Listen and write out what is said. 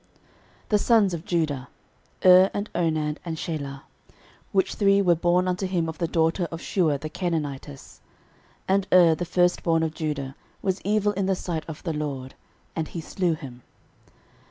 13:002:003 The sons of Judah; Er, and Onan, and Shelah: which three were born unto him of the daughter of Shua the Canaanitess. And Er, the firstborn of Judah, was evil in the sight of the LORD; and he slew him.